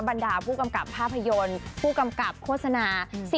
บรรดาผู้กำกับภาพยนตร์ผู้กำกับโฆษณา